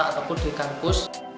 ataupun di kampus